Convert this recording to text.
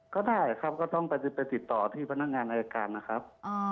ก็ได้ครับก็ต้องไปติดต่อที่พนักงานอายการนะครับ